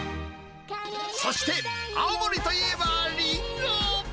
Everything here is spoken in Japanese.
そして、青森といえばリンゴ。